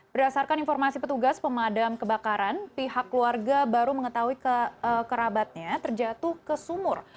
berdasarkan informasi petugas pemadam kebakaran pihak keluarga baru mengetahui kerabatnya terjatuh ke sumur